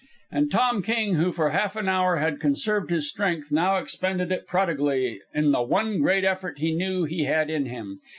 And Tom King, who for half an hour had conserved his strength, now expended it prodigally in the one great effort he knew he had in him.